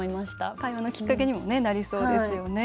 会話のきっかけにもなりそうですよね。